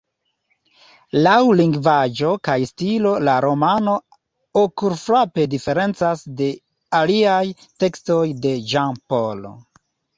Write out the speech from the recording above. Laŭ lingvaĵo kaj stilo la romano okulfrape diferencas de aliaj tekstoj de Jean Paul.